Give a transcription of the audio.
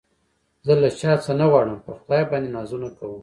زه له چا څه نه غواړم په خدای باندې نازونه کوم